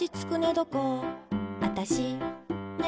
どこあたし、ね